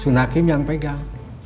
sunakim yang pegang